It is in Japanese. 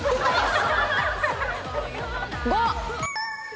５！